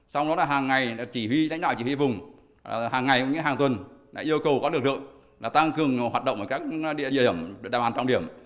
xong đó là hàng ngày đánh đoạn chỉ huy vùng hàng ngày cũng như hàng tuần yêu cầu các lực lượng tăng cường hoạt động ở các địa điểm đảm bản trọng điểm